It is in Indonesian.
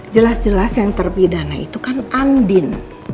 jelas jelas yang terpidana itu kan andin